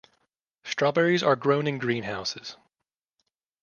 Strawberries are grown in greenhouses.